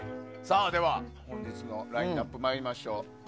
では、本日のラインアップいきましょう。